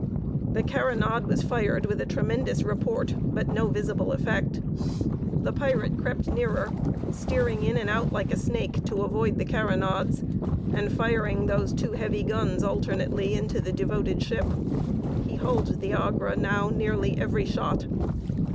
The carronade was fired with a tremendous report, but no visible effect. The pirate crept nearer, steering in and out like a snake to avoid the carronades, and firing those two heavy guns alternately into the devoted ship. He hulled the Agra now nearly every shot.